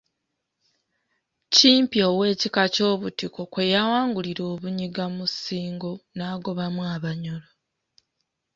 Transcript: Kimpi ow'ekika ky'Obutiko kwe yawangulira Obunyiga mu Ssingo n'agobamu Abanyoro.